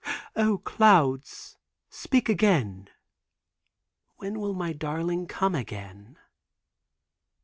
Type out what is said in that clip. O, clouds, speak again." "When will my darling come again?"